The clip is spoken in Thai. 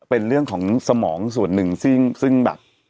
เป็นเรื่องของสมองส่วนหนึ่งซึ่งแบบ